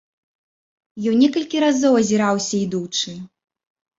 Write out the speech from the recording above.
Ён некалькі разоў азіраўся ідучы.